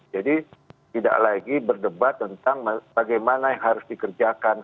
jadi tidak lagi berdebat tentang bagaimana yang harus dikerjakan